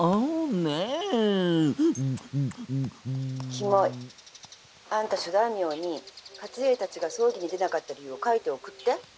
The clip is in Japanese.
「きもい。あんた諸大名に勝家たちが葬儀に出なかった理由を書いて送って」。